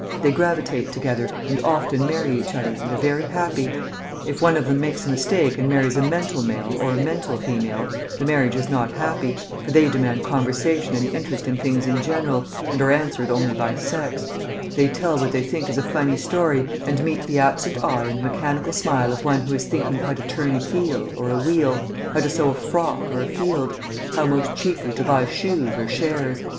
They gravitate together, and often marry each other, and are very happy. If one of them makes a mistake and marries a mental male or a mental female, the marriage is not happy, for they demand conversation and interest in things in general, and are answered only by sex; they tell what they think is a funny story, and meet the absent eye and mechanical smile of one who is thinking how to turn a heel or a wheel, how to sew a frock or a field, how most cheaply to buy shoes or shares.